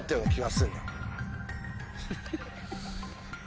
フフフ。